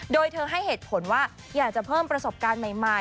โดยเธอให้เหตุผลว่าอยากจะเพิ่มประสบการณ์ใหม่